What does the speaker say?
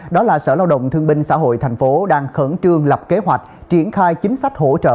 đó là sở lao động thương binh xã hội thành phố đang khẩn trương lập kế hoạch triển khai chính sách hỗ trợ